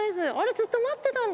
ずっと待ってたんですよ